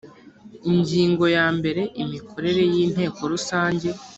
ingingo ya mbere imikorere y inteko rusange